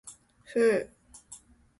ふう。